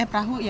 eh perahu ya